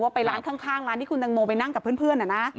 ไปร้านข้างร้านที่คุณตังโมไปนั่งกับเพื่อน